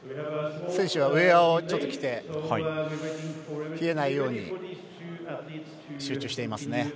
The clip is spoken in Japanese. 選手はウェアを着て冷えないように集中していますね。